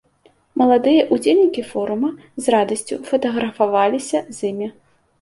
Маладыя ўдзельнікі форума з радасцю фатаграфаваліся з імі.